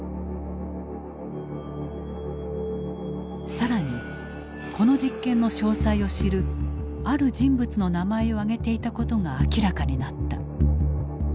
更にこの実験の詳細を知るある人物の名前を挙げていたことが明らかになった。